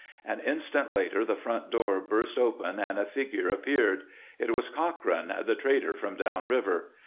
An instant later the front door burst open and a figure appeared; it was Cochrane, the trader from down river.